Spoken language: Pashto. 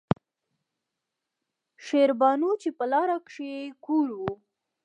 شېربانو چې پۀ لاره کښې يې کور وۀ